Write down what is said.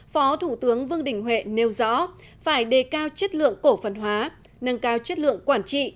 phó thủ tướng vương đình huệ nêu rõ phải đề cao chất lượng cổ phần hóa nâng cao chất lượng quản trị